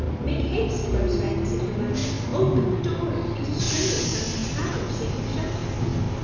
"Make haste, Rose Red!" said her mother; "open the door; it is surely some traveller seeking shelter."